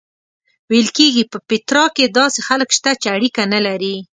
ویل کېږي په پیترا کې داسې خلک شته چې اړیکه نه لري.